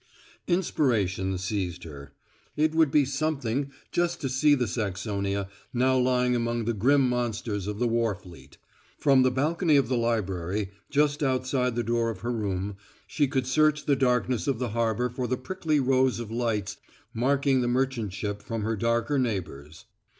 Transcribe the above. Inspiration seized her. It would be something just to see the Saxonia, now lying amid the grim monsters of the war fleet. From the balcony of the library, just outside the door of her room, she could search the darkness of the harbor for the prickly rows of lights marking the merchant ship from her darker neighbors.